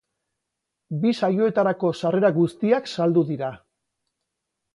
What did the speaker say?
Bi saioetarako sarrera guztiak saldu dira.